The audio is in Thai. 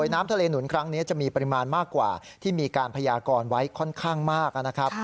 น้ำทะเลหนุนครั้งนี้จะมีปริมาณมากกว่าที่มีการพยากรไว้ค่อนข้างมากนะครับ